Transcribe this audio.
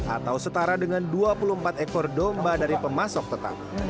atau setara dengan dua puluh empat ekor domba dari pemasok tetap